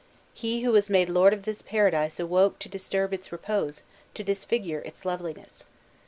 He who was made lord of this paradise awoke to disturb its repose, to disfigure its loveliness!